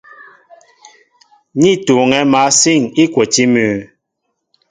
Ní tuuŋɛ̄ másîn îkwotí mʉ́ʉ́.